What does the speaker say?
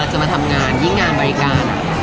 จะต้องรู้ว่า